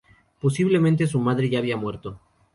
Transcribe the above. Posiblemente su madre ya había muerto.